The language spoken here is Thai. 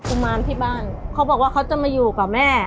ุมารที่บ้านเขาบอกว่าเขาจะมาอยู่กับแม่